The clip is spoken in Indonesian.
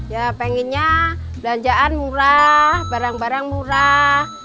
ya pengennya belanjaan murah barang barang murah